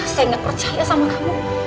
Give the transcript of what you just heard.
saya gak percaya sama kamu